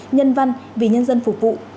nhân văn vì nhân dân phục vụ